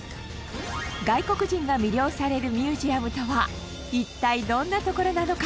外国人が魅了されるミュージアムとは一体どんな所なのか？